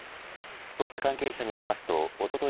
捜査関係者によりますとおととい